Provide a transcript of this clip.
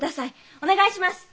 お願いします。